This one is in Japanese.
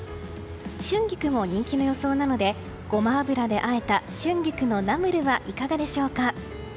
春菊も人気の予想なのでごま油であえた春菊のナムルはいかがでしょうか。